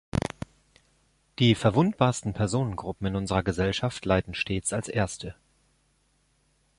Die verwundbarsten Personengruppen in unserer Gesellschaft leiden stets als erste.